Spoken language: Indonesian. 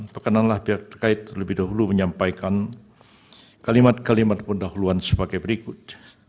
tekananlah pihak terkait terlebih dahulu menyampaikan kalimat kalimat pendahuluan sebagai berikut